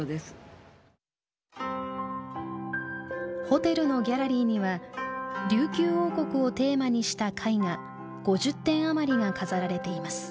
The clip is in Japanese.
ホテルのギャラリーには琉球王国をテーマにした絵画５０点余りが飾られています。